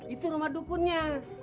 itu rumah dukunnya